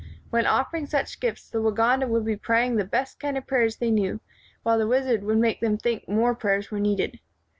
When offering such gifts the Waganda would be praying the best kind of praj^ers they knew, while the wizard would make them think more prayers were needed.